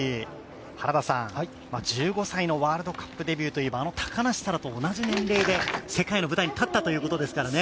原田さん、１５歳のワールドカップデビューといえばあの高梨沙羅と同じ年齢で、世界の舞台に立ったということですからね。